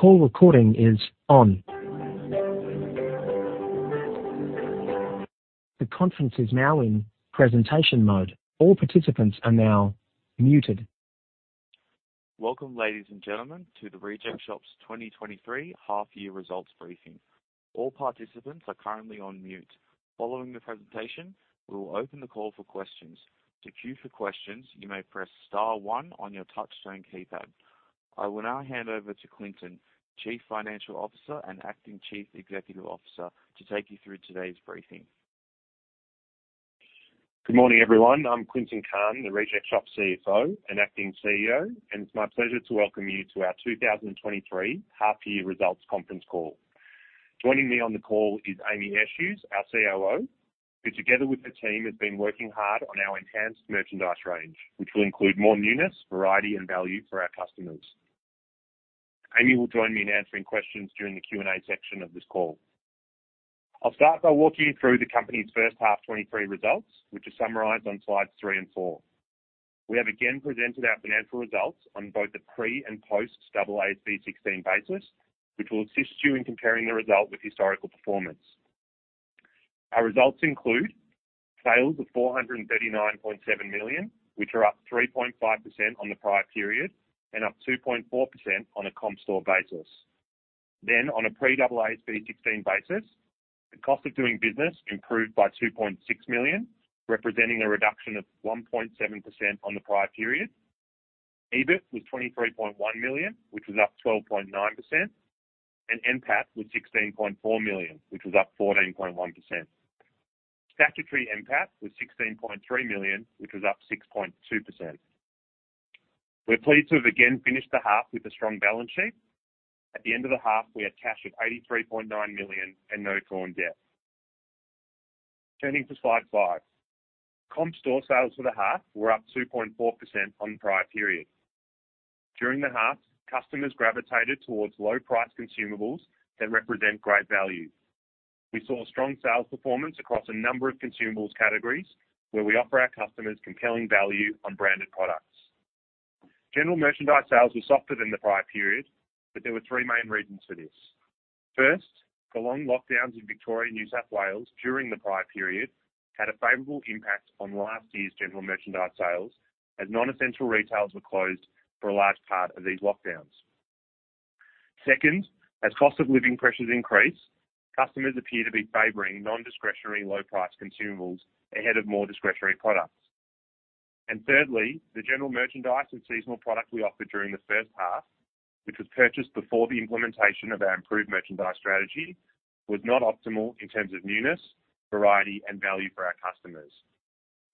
Call recording is on. The conference is now in presentation mode. All participants are now muted. Welcome, ladies and gentlemen, to The Reject Shop's 2023 half year results briefing. All participants are currently on mute. Following the presentation, we will open the call for questions. To queue for questions, you may press star 1 on your touchtone keypad. I will now hand over to Clinton, Chief Financial Officer and Acting Chief Executive Officer, to take you through today's briefing. Good morning, everyone. I'm Clinton Crighton, The Reject Shop CFO and Acting CEO. It's my pleasure to welcome you to our 2023 half year results conference call. Joining me on the call is Sean Hodges, our COO, who together with the team, has been working hard on our enhanced merchandise range, which will include more newness, variety and value for our customers. Sean will join me in answering questions during the Q&A section of this call. I'll start by walking you through the company's first half 2023 results, which are summarized on slides 3 and 4. We have again presented our financial results on both the pre and post AASB 16 basis, which will assist you in comparing the result with historical performance. Our results include sales of 439.7 million, which are up 3.5% on the prior period and up 2.4% on a comp store basis. On a pre-AASB 16 basis, the cost of doing business improved by 2.6 million, representing a reduction of 1.7% on the prior period. EBIT was 23.1 million, which was up 12.9%, and NPAT was 16.4 million, which was up 14.1%. Statutory NPAT was 16.3 million, which was up 6.2%. We're pleased to have again finished the half with a strong balance sheet. At the end of the half, we had cash of 83.9 million and no foreign debt. Turning to slide 5. Comp store sales for the half were up 2.4% on the prior period. During the half, customers gravitated towards low price consumables that represent great value. We saw strong sales performance across a number of consumables categories where we offer our customers compelling value on branded products. General merchandise sales were softer than the prior period, but there were three main reasons for this. First, the long lockdowns in Victoria and New South Wales during the prior period had a favorable impact on last year's general merchandise sales as non-essential retailers were closed for a large part of these lockdowns. Second, as cost of living pressures increase, customers appear to be favoring non-discretionary low price consumables ahead of more discretionary products. Thirdly, the general merchandise and seasonal product we offered during the first half, which was purchased before the implementation of our improved merchandise strategy, was not optimal in terms of newness, variety, and value for our customers.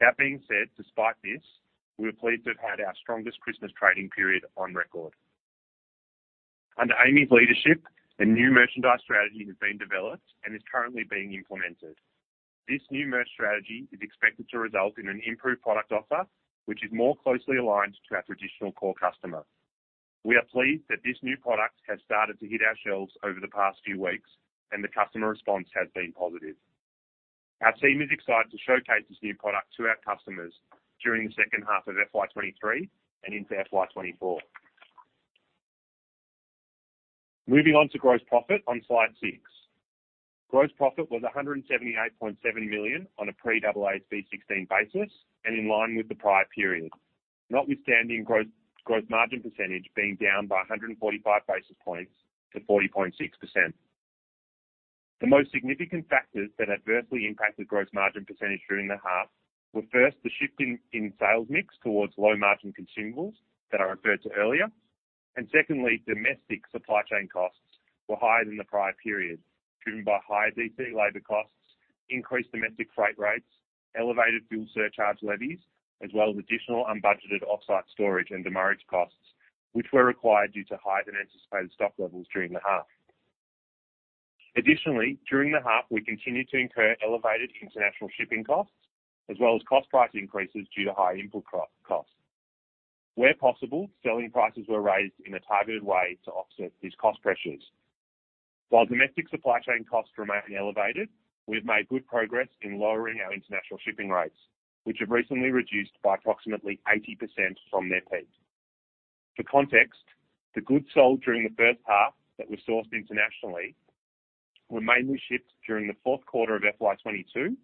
That being said, despite this, we were pleased to have had our strongest Christmas trading period on record. Under Amy's leadership, a new merchandise strategy has been developed and is currently being implemented. This new merch strategy is expected to result in an improved product offer, which is more closely aligned to our traditional core customer. We are pleased that this new product has started to hit our shelves over the past few weeks and the customer response has been positive. Our team is excited to showcase this new product to our customers during the second half of FY23 and into FY24. Moving on to gross profit on slide 6. Gross profit was 178.7 million on a pre-AASB 16 basis and in line with the prior period. Notwithstanding gross margin percentage being down by 145 basis points to 40.6%. The most significant factors that adversely impacted gross margin percentage during the half were, first, the shift in sales mix towards low-margin consumables that I referred to earlier. Secondly, domestic supply chain costs were higher than the prior period, driven by higher D.C. labor costs, increased domestic freight rates, elevated fuel surcharge levies, as well as additional unbudgeted offsite storage and demurrage costs, which were required due to higher than anticipated stock levels during the half. Additionally, during the half, we continued to incur elevated international shipping costs as well as cost price increases due to higher input costs. Where possible, selling prices were raised in a targeted way to offset these cost pressures. While domestic supply chain costs remain elevated, we've made good progress in lowering our international shipping rates, which have recently reduced by approximately 80% from their peak. For context, the goods sold during the first half that were sourced internationally were mainly shipped during the fourth quarter of FY22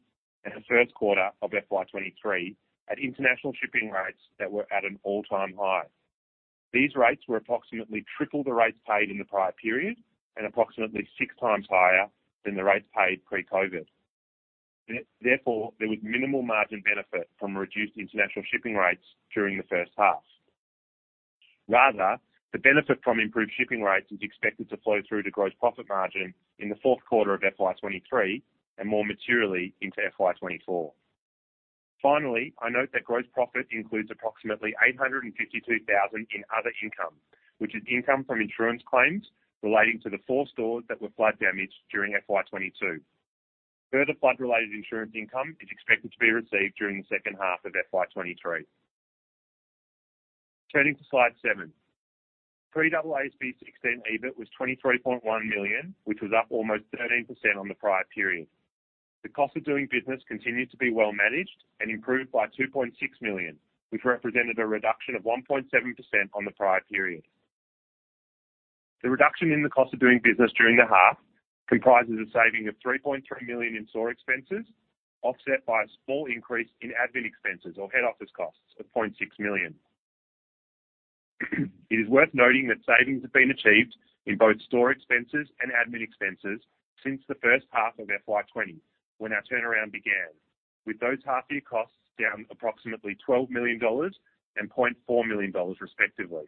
and the first quarter of FY23 at international shipping rates that were at an all-time high. These rates were approximately 3x the rates paid in the prior period and approximately 6x higher than the rates paid pre-COVID. Therefore, there was minimal margin benefit from reduced international shipping rates during the first half. Rather, the benefit from improved shipping rates is expected to flow through to gross profit margin in the fourth quarter of FY23 and more materially into FY24. I note that gross profit includes approximately 852,000 in other income, which is income from insurance claims relating to the four stores that were flood damaged during FY22. Further flood-related insurance income is expected to be received during the second half of FY23. Turning to slide seven. Pre-AASB 16 EBIT was 23.1 million, which was up almost 13% on the prior period. The cost of doing business continued to be well-managed and improved by 2.6 million, which represented a reduction of 1.7% on the prior period. The reduction in the cost of doing business during the half comprises a saving of 3.3 million in store expenses, offset by a small increase in admin expenses or head office costs of 0.6 million. It is worth noting that savings have been achieved in both store expenses and admin expenses since the first half of FY20, when our turnaround began, with those half-year costs down approximately 12 million dollars and 0.4 million dollars respectively.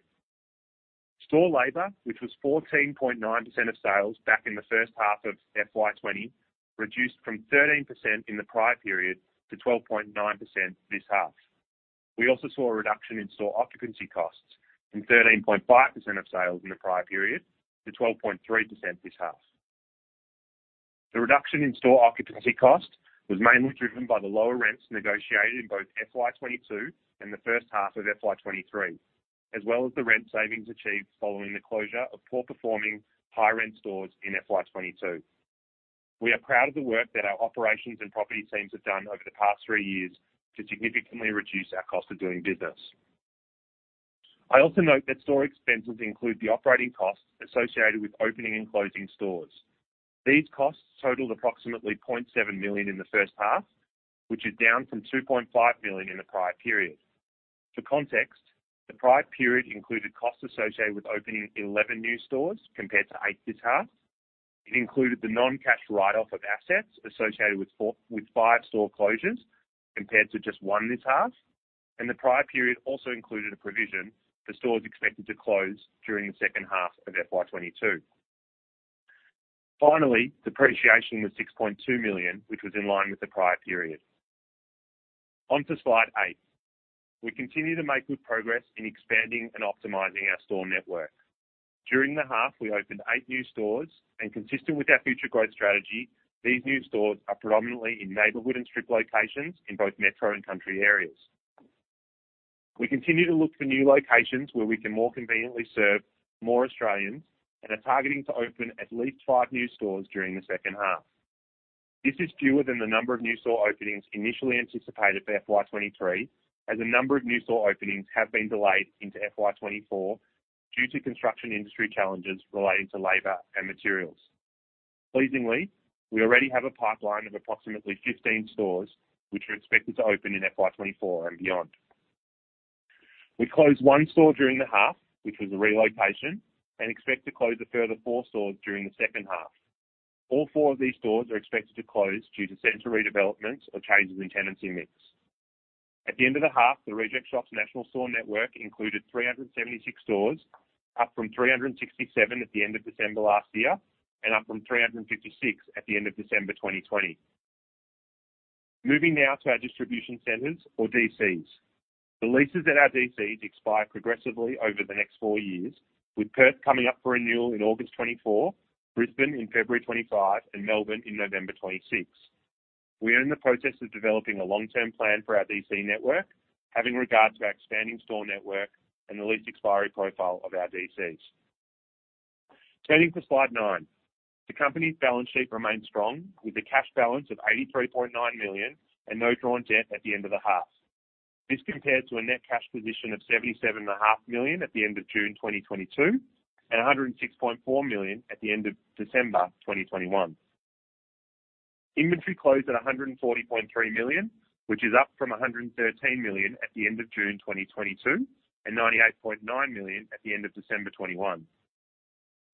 Store labor, which was 14.9% of sales back in the first half of FY20, reduced from 13% in the prior period to 12.9% this half. We also saw a reduction in store occupancy costs from 13.5% of sales in the prior period to 12.3% this half. The reduction in store occupancy cost was mainly driven by the lower rents negotiated in both FY22 and the first half of FY23, as well as the rent savings achieved following the closure of poor performing high rent stores in FY22. We are proud of the work that our operations and property teams have done over the past three years to significantly reduce our cost of doing business. I also note that store expenses include the operating costs associated with opening and closing stores. These costs totaled approximately 0.7 million in the first half, which is down from 2.5 million in the prior period. For context, the prior period included costs associated with opening 11 new stores compared to 8 this half. It included the non-cash write-off of assets associated with 5 store closures, compared to just 1 this half. The prior period also included a provision for stores expected to close during the second half of FY22. Finally, depreciation was 6.2 million, which was in line with the prior period. On to slide 8. We continue to make good progress in expanding and optimizing our store network. During the half, we opened 8 new stores and consistent with our future growth strategy, these new stores are predominantly in neighborhood and strip locations in both metro and country areas. We continue to look for new locations where we can more conveniently serve more Australians and are targeting to open at least 5 new stores during the second half. This is fewer than the number of new store openings initially anticipated for FY23, as a number of new store openings have been delayed into FY24 due to construction industry challenges relating to labor and materials. Pleasingly, we already have a pipeline of approximately 15 stores which are expected to open in FY24 and beyond. We closed 1 store during the half, which was a relocation, and expect to close a further 4 stores during the second half. All 4 of these stores are expected to close due to center redevelopments or changes in tenancy mix. At the end of the half, The Reject Shops national store network included 376 stores, up from 367 at the end of December last year, and up from 356 at the end of December 2020. Moving now to our distribution centers or DCs. The leases at our DCs expire progressively over the next 4 years, with Perth coming up for renewal in August 2024, Brisbane in February 2025, and Melbourne in November 2026. We are in the process of developing a long-term plan for our DC network, having regards to our expanding store network and the lease expiry profile of our DCs. Turning to slide 9. The company's balance sheet remains strong, with a cash balance of AUD 83.9 million and no drawn debt at the end of the half. This compared to a net cash position of AUD 77 and a half million at the end of June 2022, and AUD 106.4 million at the end of December 2021. Inventory closed at AUD 140.3 million, which is up from AUD 113 million at the end of June 2022, and AUD 98.9 million at the end of December 2021.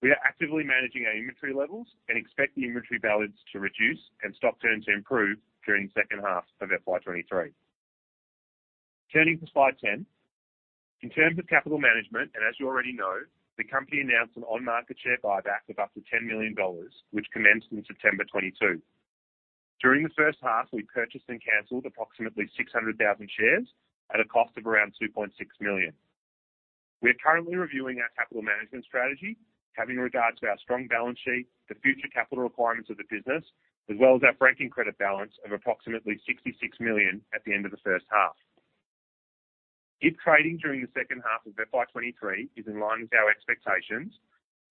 We are actively managing our inventory levels and expect the inventory balance to reduce and stock turn to improve during the second half of FY23. Turning to slide 10. In terms of capital management, as you already know, the company announced an on-market share buyback of up to 10 million dollars, which commenced in September 2022. During the first half, we purchased and canceled approximately 600,000 shares at a cost of around 2.6 million. We are currently reviewing our capital management strategy, having regards to our strong balance sheet, the future capital requirements of the business, as well as our franking credit balance of approximately 66 million at the end of the first half. If trading during the second half of FY23 is in line with our expectations,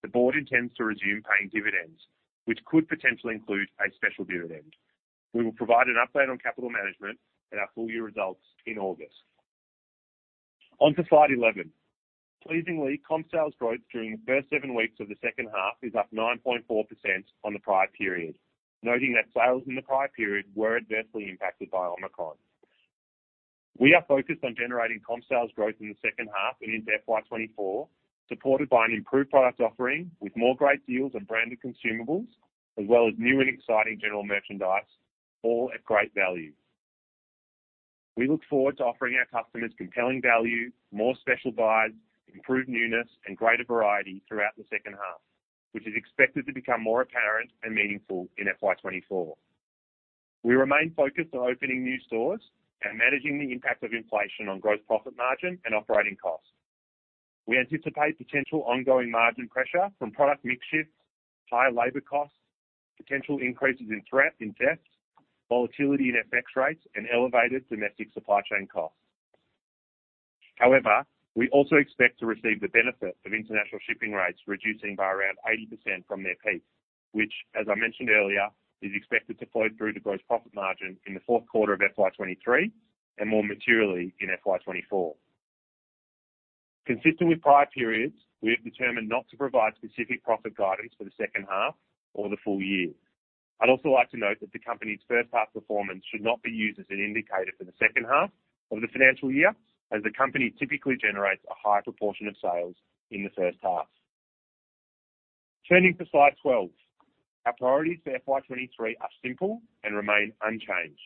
the board intends to resume paying dividends, which could potentially include a special dividend. We will provide an update on capital management in our full year results in August. On to slide 11. Pleasingly, comp sales growth during the first seven weeks of the second half is up 9.4% on the prior period, noting that sales in the prior period were adversely impacted by Omicron. We are focused on generating comp sales growth in the second half and into FY24, supported by an improved product offering with more great deals on branded consumables, as well as new and exciting general merchandise, all at great value. We look forward to offering our customers compelling value, more special buys, improved newness, and greater variety throughout the second half, which is expected to become more apparent and meaningful in FY24. We remain focused on opening new stores and managing the impact of inflation on gross profit margin and operating costs. We anticipate potential ongoing margin pressure from product mix shifts, higher labor costs, potential increases in debt, volatility in FX rates, and elevated domestic supply chain costs. We also expect to receive the benefit of international shipping rates reducing by around 80% from their peak, which as I mentioned earlier, is expected to flow through to gross profit margin in the fourth quarter of FY23 and more materially in FY24. Consistent with prior periods, we have determined not to provide specific profit guidance for the second half or the full year. I'd also like to note that the company's first half performance should not be used as an indicator for the second half of the financial year, as the company typically generates a higher proportion of sales in the first half. Turning to slide 12. Our priorities for FY23 are simple and remain unchanged.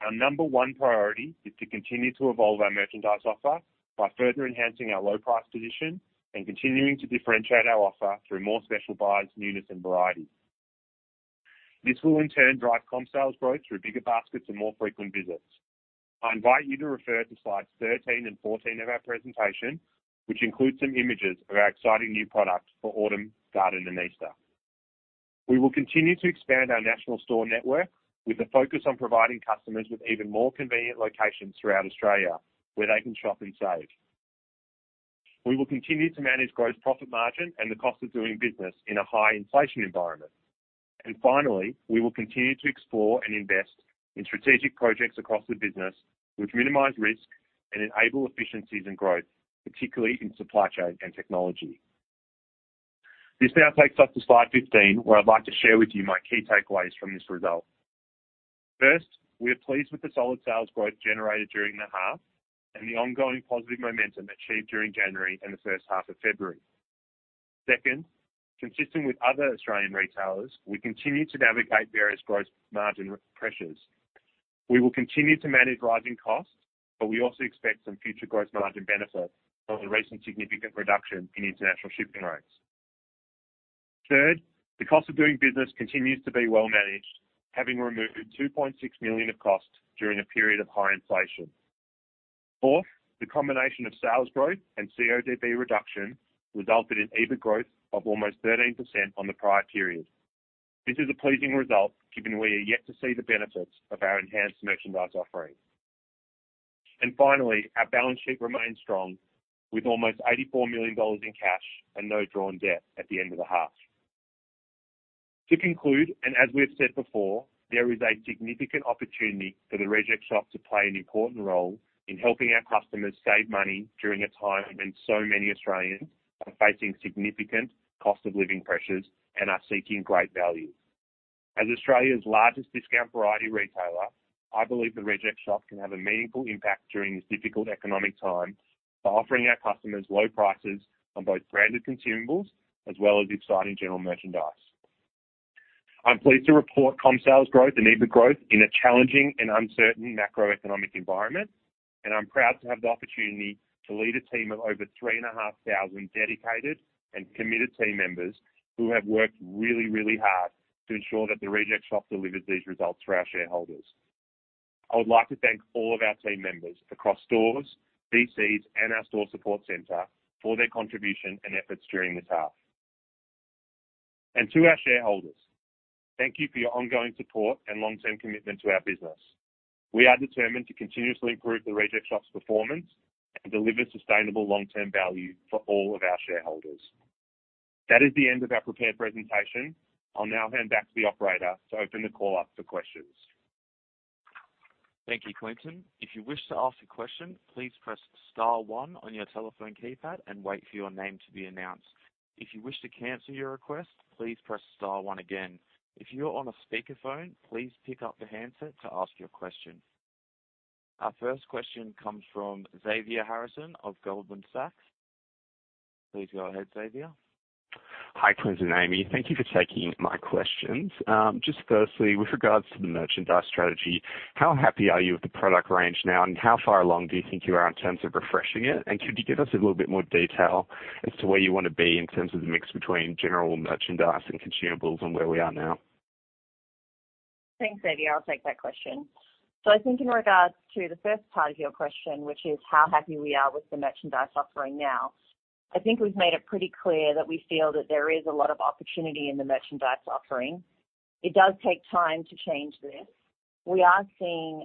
Our number one priority is to continue to evolve our merchandise offer by further enhancing our low price position and continuing to differentiate our offer through more special buys, newness and variety. This will in turn drive comp sales growth through bigger baskets and more frequent visits. I invite you to refer to slides 13 and 14 of our presentation, which includes some images of our exciting new products for autumn, garden and Easter. We will continue to expand our national store network with a focus on providing customers with even more convenient locations throughout Australia where they can shop and save. We will continue to manage gross profit margin and the cost of doing business in a high inflation environment. Finally, we will continue to explore and invest in strategic projects across the business which minimize risk and enable efficiencies and growth, particularly in supply chain and technology. This now takes us to slide 15, where I'd like to share with you my key takeaways from this result. First, we are pleased with the solid sales growth generated during the half and the ongoing positive momentum achieved during January and the first half of February. Second, consistent with other Australian retailers, we continue to navigate various gross margin pressures. We will continue to manage rising costs, but we also expect some future gross margin benefits from the recent significant reduction in international shipping rates. Third, the cost of doing business continues to be well managed. Having removed 2.6 million of costs during a period of high inflation. Fourth, the combination of sales growth and CODB reduction resulted in EBIT growth of almost 13% on the prior period. This is a pleasing result, given we are yet to see the benefits of our enhanced merchandise offering. Finally, our balance sheet remains strong with almost 84 million dollars in cash and no drawn debt at the end of the half. To conclude, as we have said before, there is a significant opportunity for The Reject Shop to play an important role in helping our customers save money during a time when so many Australians are facing significant cost of living pressures and are seeking great value. As Australia's largest discount variety retailer, I believe The Reject Shop can have a meaningful impact during this difficult economic time by offering our customers low prices on both branded consumables as well as exciting general merchandise. I'm pleased to report comp sales growth and EBIT growth in a challenging and uncertain macroeconomic environment. I'm proud to have the opportunity to lead a team of over 3,500 dedicated and committed team members who have worked really, really hard to ensure that The Reject Shop delivered these results for our shareholders. I would like to thank all of our team members across stores, DCs, and our store support center for their contribution and efforts during this half. To our shareholders, thank you for your ongoing support and long-term commitment to our business. We are determined to continuously improve The Reject Shop's performance and deliver sustainable long-term value for all of our shareholders. That is the end of our prepared presentation. I'll now hand back to the operator to open the call up for questions. Thank you, Clinton. If you wish to ask a question, please press star one on your telephone keypad and wait for your name to be announced. If you wish to cancel your request, please press star one again. If you're on a speakerphone, please pick up the handset to ask your question. Our first question comes from Shaun-Lovell Harrison of Goldman Sachs. Please go ahead, Xavier. Hi, Clinton and Amy. Thank you for taking my questions. Just firstly, with regards to the merchandise strategy, how happy are you with the product range now, and how far along do you think you are in terms of refreshing it? Could you give us a little bit more detail as to where you wanna be in terms of the mix between general merchandise and consumables and where we are now? Thanks, Xavier. I'll take that question. I think in regards to the first part of your question, which is how happy we are with the merchandise offering now, I think we've made it pretty clear that we feel that there is a lot of opportunity in the merchandise offering. It does take time to change this. We are seeing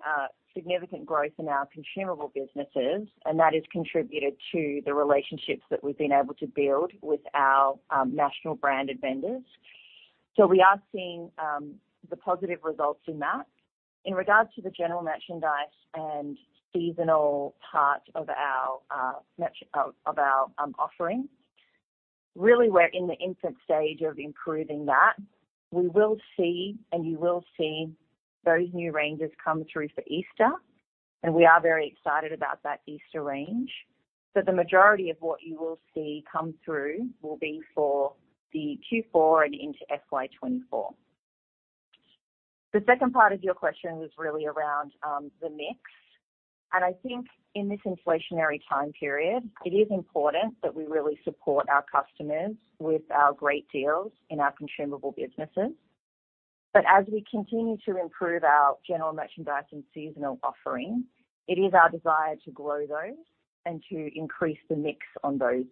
significant growth in our consumable businesses, and that has contributed to the relationships that we've been able to build with our national branded vendors. We are seeing the positive results in that. In regards to the general merchandise and seasonal part of our offerings, really, we're in the infant stage of improving that. We will see, and you will see those new ranges come through for Easter, and we are very excited about that Easter range. The majority of what you will see come through will be for the Q4 and into FY24. The second part of your question was really around the mix, and I think in this inflationary time period, it is important that we really support our customers with our great deals in our consumable businesses. As we continue to improve our general merchandise and seasonal offerings, it is our desire to grow those and to increase the mix on those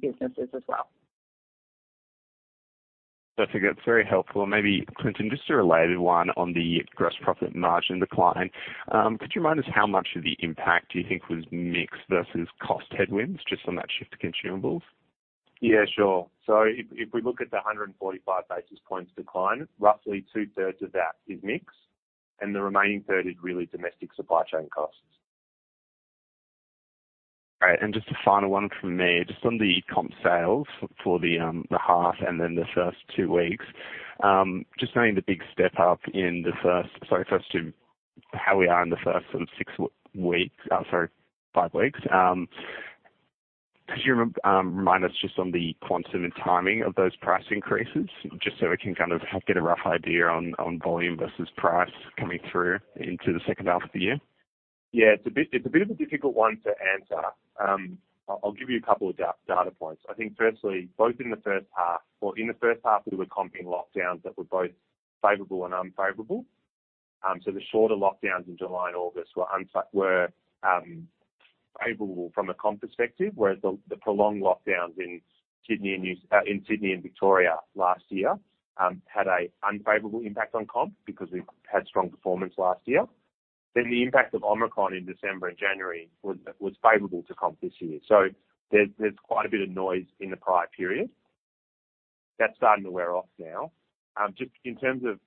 businesses as well. I think that's very helpful. Maybe Clinton, just a related one on the gross profit margin decline. Could you remind us how much of the impact you think was mix versus cost headwinds just on that shift to consumables? Yeah, sure. If we look at the 145 basis points decline, roughly two-thirds of that is mix. The remaining third is really domestic supply chain costs. All right. Just a final one from me. Just on the comp store sales for the half and then the first two weeks. Just knowing the big step-up in the first six weeks, sorry, five weeks. Could you remind us just on the quantum and timing of those price increases, just so we can kind of get a rough idea on volume versus price coming through into the second half of the year? Yeah, it's a bit of a difficult one to answer. I'll give you a couple of data points. I think firstly, both in the first half or in the first half, we were comping lockdowns that were both favorable and unfavorable. The shorter lockdowns in July and August were favorable from a comp perspective, whereas the prolonged lockdowns in Sydney and Victoria last year had a unfavorable impact on comp because we had strong performance last year. The impact of Omicron in December and January was favorable to comp this year. There's quite a bit of noise in the prior period. That's starting to wear off now. Just in terms of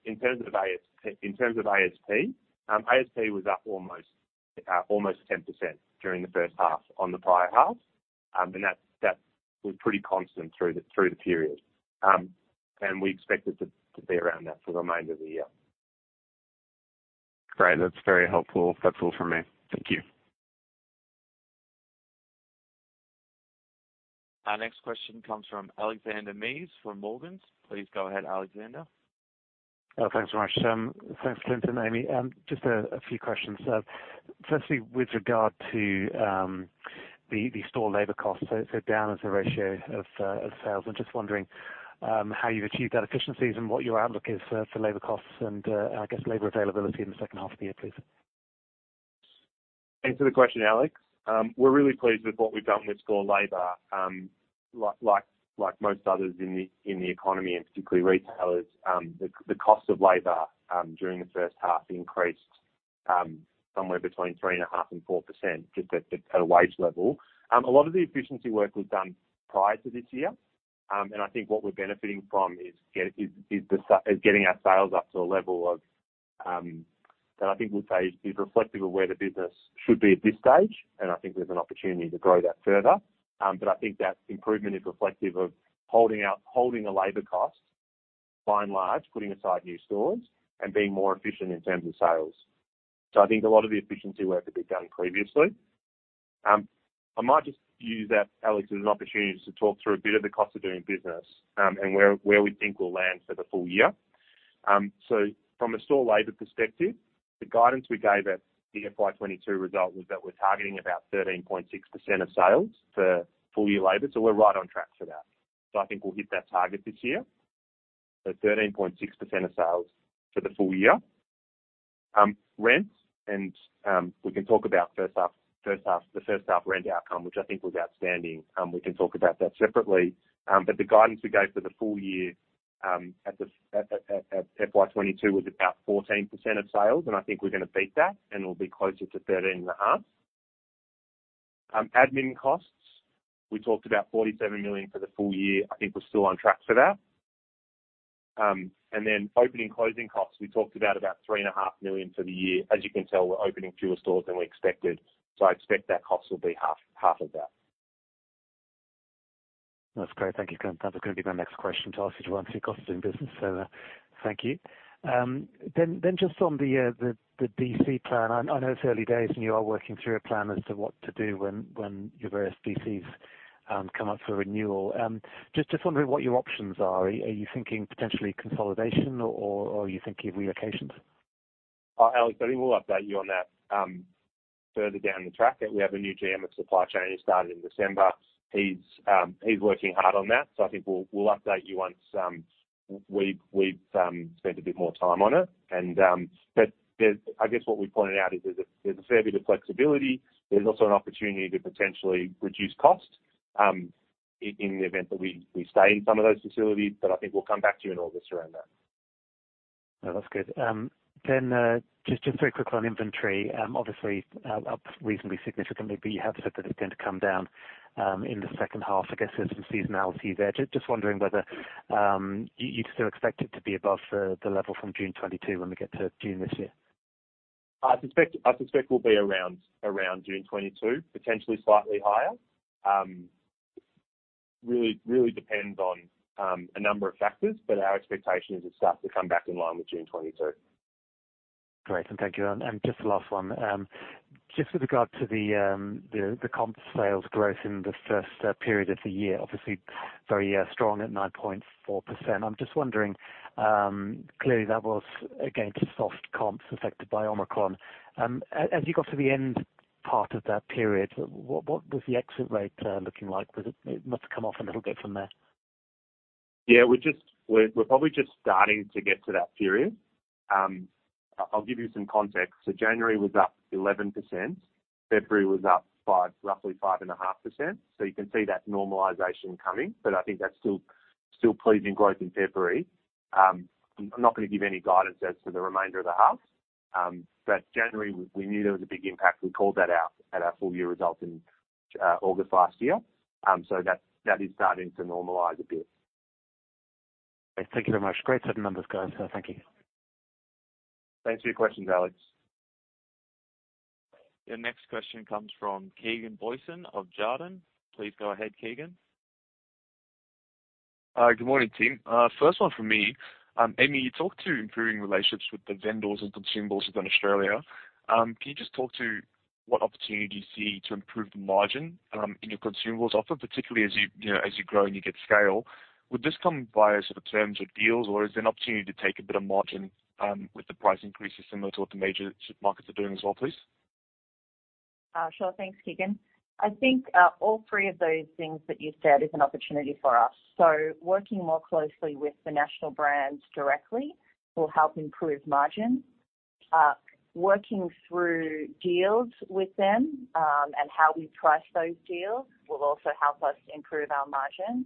ASP was up almost 10% during the first half on the prior half. That was pretty constant through the period. We expect it to be around that for the remainder of the year. Great. That's very helpful. That's all for me. Thank you. Our next question comes from Alexander Mees from Morgans. Please go ahead, Alexander. Oh, thanks very much. Thanks, Clinton, Amy. Just a few questions. Firstly with regard to the store labor costs. Down as a ratio of sales. I'm just wondering how you've achieved that efficiencies and what your outlook is for labor costs and, I guess labor availability in the second half of the year, please? Thanks for the question, Alex. We're really pleased with what we've done with store labor. Like most others in the economy and particularly retailers, the cost of labor during the first half increased somewhere between 3.5% and 4% just at a wage level. A lot of the efficiency work was done prior to this year. I think what we're benefiting from is getting our sales up to a level that I think we'll say is reflective of where the business should be at this stage. I think there's an opportunity to grow that further. I think that improvement is reflective of holding out, holding a labor cost by and large, putting aside new stores and being more efficient in terms of sales. I think a lot of the efficiency work had been done previously. I might just use that, Alex, as an opportunity to talk through a bit of the cost of doing business, and where we think we'll land for the full year. From a store labor perspective, the guidance we gave at the FY22 result was that we're targeting about 13.6% of sales for full-year labor. We're right on track for that. I think we'll hit that target this year. 13.6% of sales for the full year. Rent, and we can talk about first half, the first half rent outcome, which I think was outstanding. We can talk about that separately. The guidance we gave for the full year, at FY22 was about 14% of sales, and I think we're gonna beat that and we'll be closer to 13.5%. Admin costs, we talked about 47 million for the full year. I think we're still on track for that. Then opening closing costs. We talked about 3.5 million for the year. As you can tell, we're opening fewer stores than we expected. I expect that cost will be half of that. That's great. Thank you. That's gonna be my next question to ask you to run through costs in business. Thank you. Just on the DC plan, I know it's early days and you are working through a plan as to what to do when your various DCs come up for renewal. Just wondering what your options are. Are you thinking potentially consolidation or are you thinking relocations? Alex, buddy, we'll update you on that, further down the track. We have a new GM of supply chain who started in December. He's working hard on that, so I think we'll update you once we've spent a bit more time on it. I guess what we pointed out is there's a fair bit of flexibility. There's also an opportunity to potentially reduce cost, in the event that we stay in some of those facilities. I think we'll come back to you in August around that. No, that's good. Just very quick on inventory, obviously, up reasonably significantly, but you have said that it's going to come down in the second half. I guess there's some seasonality there. Just wondering whether you still expect it to be above the level from June 22 when we get to June this year. I suspect we'll be around June 2022, potentially slightly higher. really depends on a number of factors, but our expectation is it starts to come back in line with June 2022. Great. Thank you. Just the last one, just with regard to the comp sales growth in the first period of the year, obviously very strong at 9.4%. I'm just wondering, clearly that was against soft comps affected by Omicron. As you got to the end part of that period, what was the exit rate looking like? It must have come off a little bit from there. Yeah, we're probably just starting to get to that period. I'll give you some context. January was up 11%, February was up 5%, roughly 5.5%. You can see that normalization coming. I think that's still pleasing growth in February. I'm not gonna give any guidance as to the remainder of the half. January, we knew there was a big impact. We called that out at our full year results in August last year. That is starting to normalize a bit. Thank you very much. Great set of numbers, guys. Thank you. Thanks for your questions, Alex. Your next question comes from Keegan Booysen of Jarden. Please go ahead, Keegan. Good morning, team. First one from me. Amy, you talked to improving relationships with the vendors of consumables within Australia. Can you just talk to what opportunity you see to improve the margin in your consumables offer, particularly as you know, as you grow and you get scale. Would this come via sort of terms of deals, or is there an opportunity to take a bit of margin with the price increases similar to what the major supermarkets are doing as well, please? Sure. Thanks, Keegan. I think all three of those things that you said is an opportunity for us. Working more closely with the national brands directly will help improve margin. Working through deals with them, and how we price those deals will also help us improve our margin.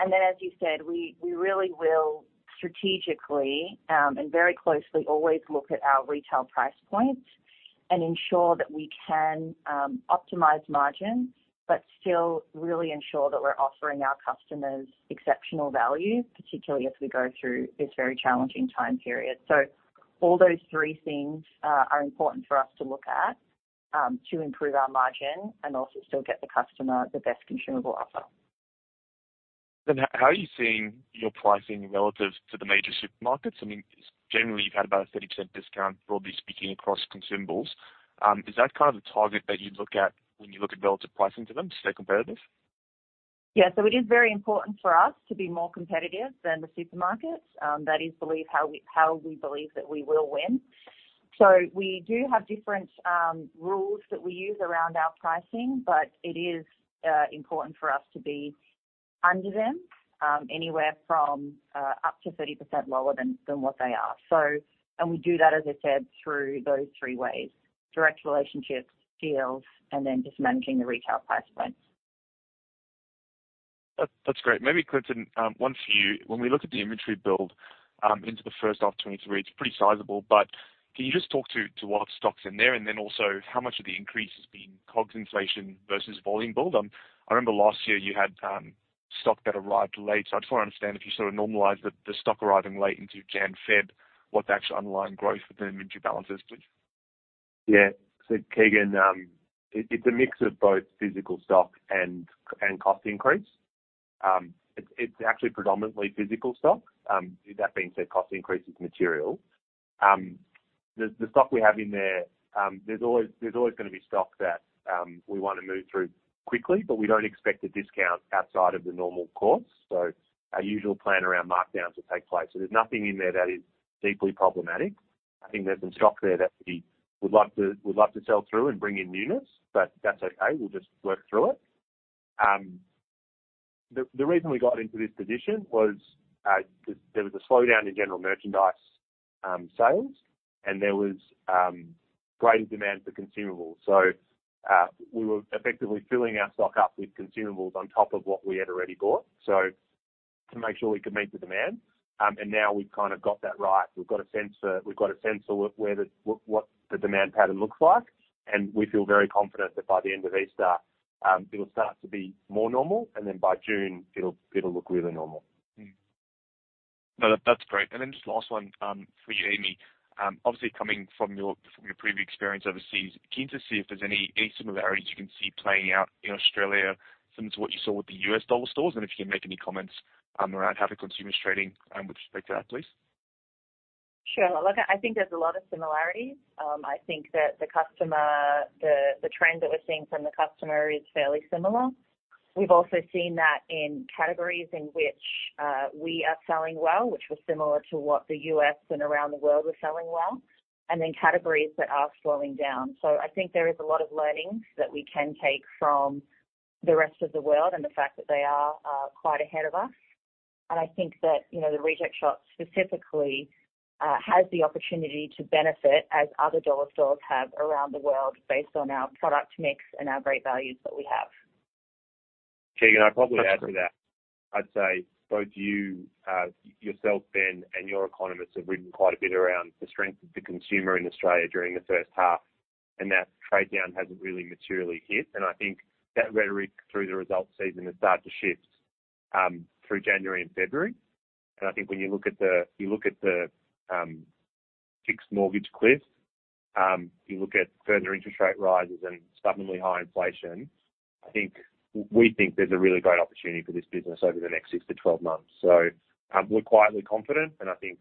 As you said, we really will strategically, and very closely always look at our retail price points and ensure that we can optimize margin, but still really ensure that we're offering our customers exceptional value, particularly as we go through this very challenging time period. All those three things are important for us to look at to improve our margin and also still get the customer the best consumable offer. How are you seeing your pricing relative to the major supermarkets? I mean, generally you've had about a 30% discount, broadly speaking, across consumables. Is that kind of the target that you look at when you look at relative pricing to them to stay competitive? Yeah. It is very important for us to be more competitive than the supermarkets. That is how we believe that we will win. We do have different rules that we use around our pricing, but it is important for us to be under them anywhere from up to 30% lower than what they are. We do that, as I said, through those three ways: direct relationships, deals, and then just managing the retail price points. That's great. Maybe Clinton, one for you. When we look at the inventory build, into the 1st of 2023, it's pretty sizable, but can you just talk to what stock's in there and then also how much of the increase has been COGS inflation versus volume build? I remember last year you had stock that arrived late, so I just want to understand if you sort of normalize the stock arriving late into Jan, Feb, what the actual underlying growth for the inventory balance is please. Yeah. Keegan, it's a mix of both physical stock and cost increase. It's actually predominantly physical stock. That being said, cost increase is material. The stock we have in there's always gonna be stock that we wanna move through quickly, but we don't expect a discount outside of the normal course. Our usual plan around markdowns will take place. There's nothing in there that is deeply problematic. I think there's some stock there that we would like to sell through and bring in newness, that's okay, we'll just work through it. The reason we got into this position was there was a slowdown in general merchandise sales, there was greater demand for consumables. We were effectively filling our stock up with consumables on top of what we had already bought, so to make sure we could meet the demand. Now we've kind of got that right. We've got a sense for where the what the demand pattern looks like. We feel very confident that by the end of Easter, it'll start to be more normal, and then by June it'll look really normal. No, that's great. Just last one for you, Amy. Obviously coming from your previous experience overseas, keen to see if there's any similarities you can see playing out in Australia similar to what you saw with the U.S. dollar stores and if you can make any comments around how the consumer is trading with respect to that, please? Sure. Look, I think there's a lot of similarities. I think that the customer, the trend that we're seeing from the customer is fairly similar. We've also seen that in categories in which we are selling well, which was similar to what the U.S. and around the world were selling well, and then categories that are slowing down. I think there is a lot of learnings that we can take from the rest of the world and the fact that they are quite ahead of us. I think that, you know, The Reject Shop specifically has the opportunity to benefit as other dollar stores have around the world based on our product mix and our great values that we have. Keegan, I'd probably add to that. I'd say both you, yourself, Ben, and your economists have written quite a bit around the strength of the consumer in Australia during the first half, and that trade down hasn't really materially hit. I think that rhetoric through the results season has started to shift through January and February. I think when you look at the, you look at the fixed mortgage cliff, you look at further interest rate rises and stubbornly high inflation. We think there's a really great opportunity for this business over the next 6 to 12 months. We're quietly confident. I think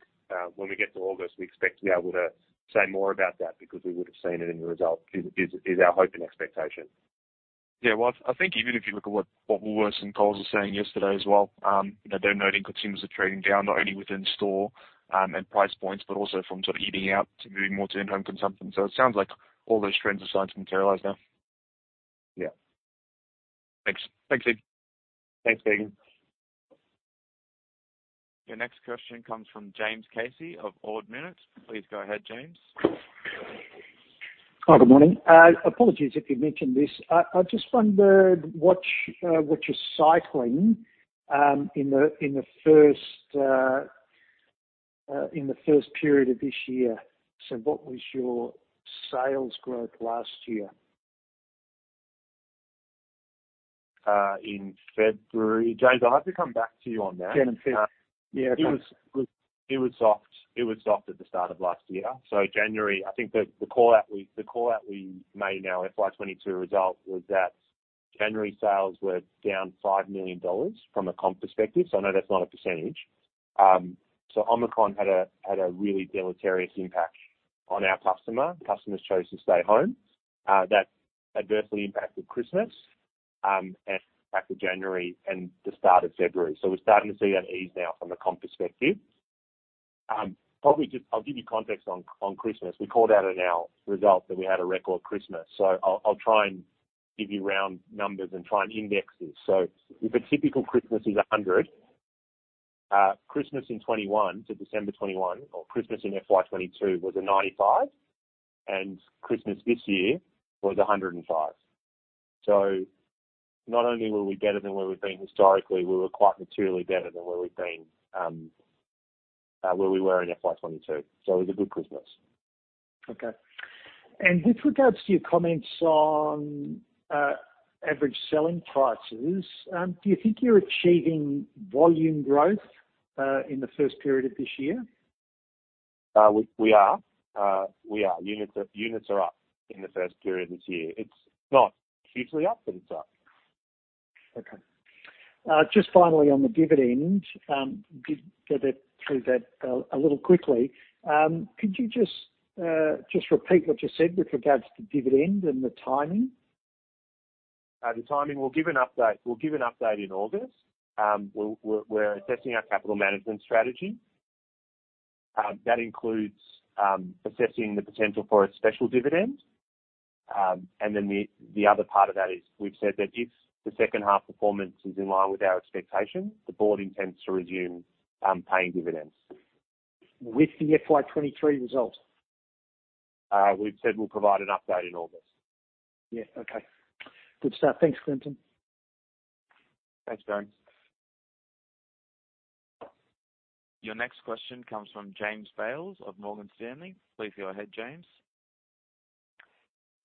when we get to August, we expect to be able to say more about that because we would have seen it in the results is our hope and expectation. Yeah. Well, I think even if you look at what Woolworths and Coles were saying yesterday as well, you know, they're noting consumers are trading down not only within store, and price points, but also from sort of eating out to moving more to in-home consumption. It sounds like all those trends are starting to materialize now. Yeah. Thanks. Thanks, Ed. Thanks, Ed. Your next question comes from James Casey of Ord Minnett. Please go ahead, James. Good morning. Apologies if you've mentioned this. I just wondered what you're cycling in the first period of this year. What was your sales growth last year? In February. James, I'll have to come back to you on that. January. Yeah. It was soft. It was soft at the start of last year. January, I think the call out we made in our FY22 result was that January sales were down 5 million dollars from a comp perspective. I know that's not a %. Omicron had a really deleterious impact on our customer. Customers chose to stay home. That adversely impacted Christmas and back to January and the start of February. We're starting to see that ease now from a comp perspective. I'll give you context on Christmas. We called out in our results that we had a record Christmas. I'll try and give you round numbers and try and index this. If a typical Christmas is 100, Christmas in 2021 to December 2021 or Christmas in FY22 was 95, and Christmas this year was 105. Not only were we better than where we've been historically, we were quite materially better than where we've been, where we were in FY22. It was a good Christmas. Okay. With regards to your comments on average selling prices, do you think you're achieving volume growth in the first period of this year? We are. We are. Units are up in the first period of this year. It's not hugely up, but it's up. Okay. Just finally on the dividend, did go a bit through that a little quickly. Could you just repeat what you said with regards to the dividend and the timing? The timing, we'll give an update. We'll give an update in August. We're assessing our capital management strategy, that includes assessing the potential for a special dividend. The other part of that is we've said that if the second half performance is in line with our expectations, the board intends to resume paying dividends. With the FY23 results? We've said we'll provide an update in August. Yeah. Okay. Good stuff. Thanks, Clinton. Thanks, James. Your next question comes from James Bales of Morgan Stanley. Please go ahead, James.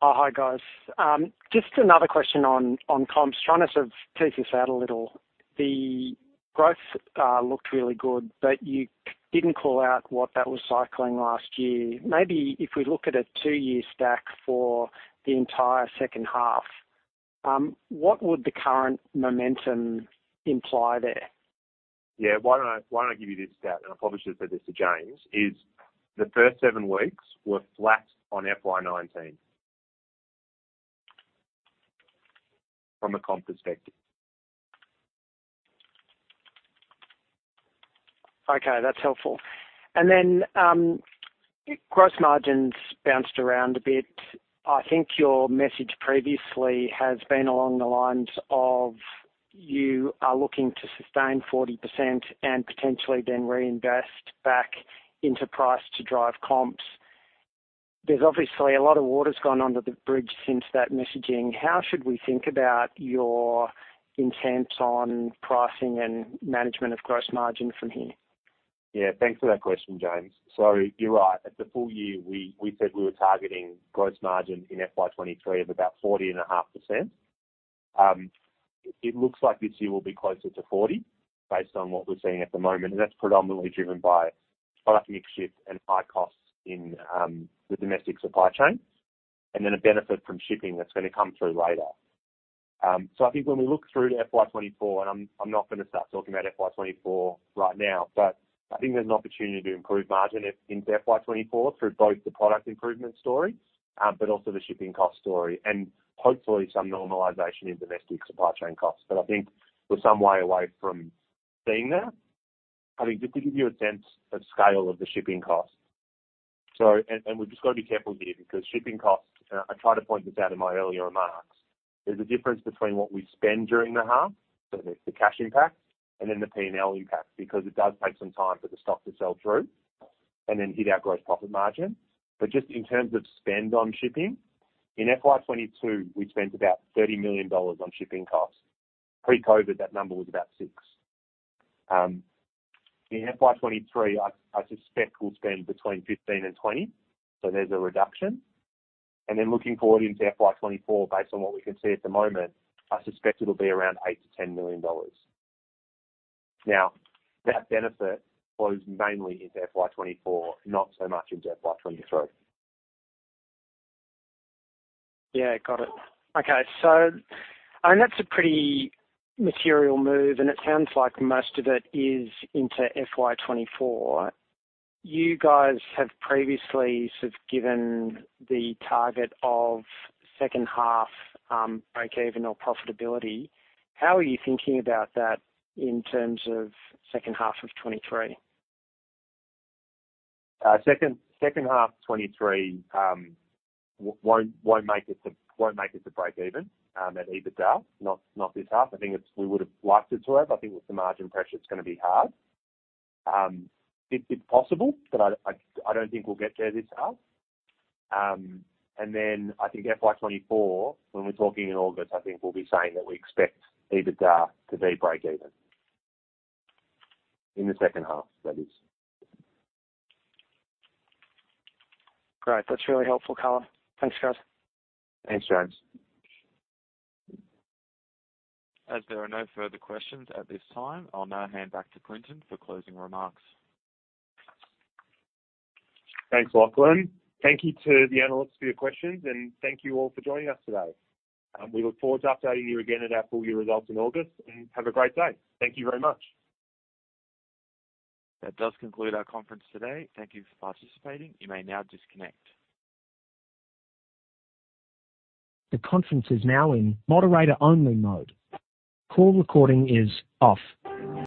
Oh, hi, guys. just another question on comps. Trying to sort of tease this out a little. The growth looked really good, but you didn't call out what that was cycling last year. Maybe if we look at a two-year stack for the entire second half, what would the current momentum imply there? Yeah. Why don't I give you this stat, and I've probably said this to James, is the first seven weeks were flat on FY19 from a comp perspective. Okay, that's helpful. Gross margins bounced around a bit. I think your message previously has been along the lines of you are looking to sustain 40% and potentially then reinvest back into price to drive comps. There's obviously a lot of water's gone under the bridge since that messaging. How should we think about your intent on pricing and management of gross margin from here? Yeah. Thanks for that question, James. You're right. At the full year, we said we were targeting gross margin in FY23 of about 40.5%. It looks like this year will be closer to 40 based on what we're seeing at the moment, and that's predominantly driven by product mix shift and high costs in the domestic supply chain, and then a benefit from shipping that's gonna come through later. I think when we look through to FY24, and I'm not gonna start talking about FY24 right now, but I think there's an opportunity to improve margin into FY24 through both the product improvement story, but also the shipping cost story and hopefully some normalization in domestic supply chain costs. I think we're some way away from seeing that. I think just to give you a sense of scale of the shipping costs. We've just got to be careful here because shipping costs, and I tried to point this out in my earlier remarks, there's a difference between what we spend during the half, there's the cash impact and then the P&L impact because it does take some time for the stock to sell through and then hit our gross profit margin. Just in terms of spend on shipping, in FY22, we spent about 30 million dollars on shipping costs. Pre-COVID, that number was about 6 million. In FY23 I suspect we'll spend between 15 million and 20 million, there's a reduction. Looking forward into FY24, based on what we can see at the moment, I suspect it'll be around 8 million-10 million dollars. That benefit flows mainly into FY24, not so much into FY23. Yeah. Got it. Okay. I mean, that's a pretty material move, and it sounds like most of it is into FY24. You guys have previously sort of given the target of second half breakeven or profitability. How are you thinking about that in terms of second half of 2023? Second half 23 won't make it to breakeven at EBITDA, not this half. We would've liked it to have. I think with the margin pressure, it's gonna be hard. It's possible, but I don't think we'll get there this half. I think FY24, when we're talking in August, I think we'll be saying that we expect EBITDA to be breakeven. In the second half, that is. Great. That's really helpful color. Thanks, guys. Thanks, James. As there are no further questions at this time, I'll now hand back to Clinton for closing remarks. Thanks, Lachlan. Thank you to the analysts for your questions, and thank you all for joining us today. We look forward to updating you again at our full year results in August, and have a great day. Thank you very much. That does conclude our conference today. Thank you for participating. You may now disconnect. The conference is now in moderator only mode. Call recording is off.